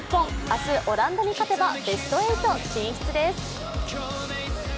明日、オランダに勝てばベスト８進出です。